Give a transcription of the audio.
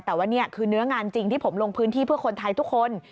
แต่ว่านี่คือเนื้องานจริงที่ผมลงพื้นที่เพื่อคนไทยทุกคน